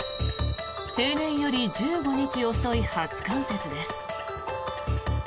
平年より１５日遅い初冠雪です。